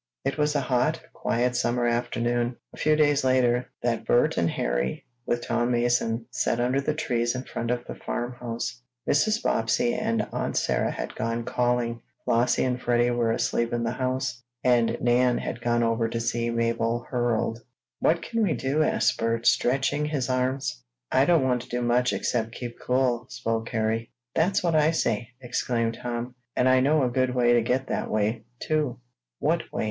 It was a hot, quiet summer afternoon, a few days later, that Bert and Harry, with Tom Mason, sat under the trees in front of the farmhouse. Mrs. Bobbsey and Aunt Sarah had gone calling, Flossie and Freddie were asleep in the house, and Nan had gone over to see Mabel Herold. "What can we do?" asked Bert, stretching his arms. "I don't want to do much except keep cool," spoke Harry. "That's what I say!" exclaimed Tom. "And I know a good way to get that way, too." "What way?"